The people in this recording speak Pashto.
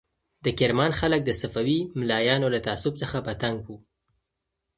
د کرمان خلک د صفوي ملایانو له تعصب څخه په تنګ وو.